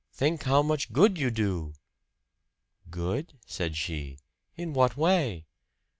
"Think how much good you do!" "Good?" said she. "In what way?"